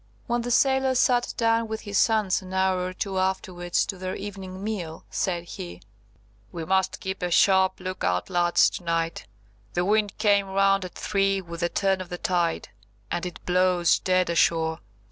When the sailor sat down with his sons an hour or two afterwards to their evening meal, said he, "We must keep a sharp look out, lads, to night; the wind came round at three with the turn of the tide, and it blows dead ashore.